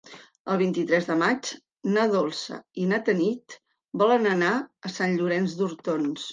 El vint-i-tres de maig na Dolça i na Tanit volen anar a Sant Llorenç d'Hortons.